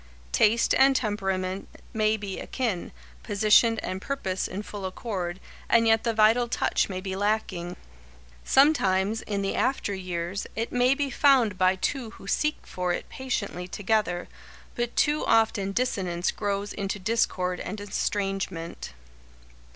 Taste and temperament may be akin, position and purpose in full accord, and yet the vital touch may be lacking. Sometimes, in the after years, it may be found by two who seek for it patiently together, but too often dissonance grows into discord and estrangement.